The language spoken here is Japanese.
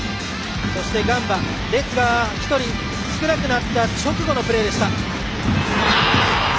そしてガンバ、レッズが１人少なくなった直後のプレーでした。